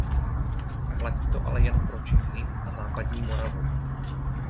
Platí to ale jen pro Čechy a západní Moravu.